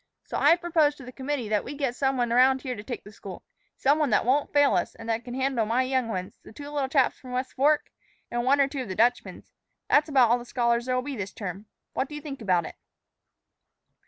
So I've proposed to the committee that we get some one about here to take the school some one that won't fail us, and that can handle my young ones, the two little chaps from the West Fork, and one or two of the Dutchman's. That's about all the scholars there'll be this term. What do you think about it?"